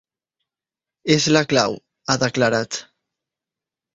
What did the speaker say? És la clau, ha declarat.